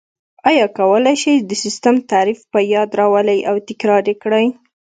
آیا کولای شئ د سیسټم تعریف په یاد راولئ او تکرار یې کړئ؟